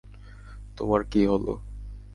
তোমার কী হলো?